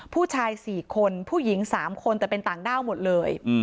ผู้ชาย๔คนผู้หญิง๓คนแต่เป็นต่างด้าวหมดเลย